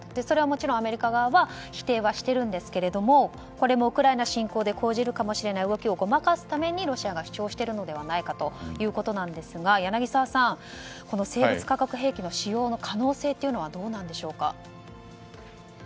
それはアメリカ側は否定はしていますがこれもウクライナ侵攻で講じるかもしれない動きをごまかすためにロシアが主張しているのではないかということですが柳澤さん、生物・化学兵器の使用の可能性はどうなんでしょうか。